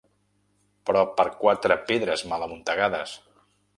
Però per quatre pedres mal amuntegades!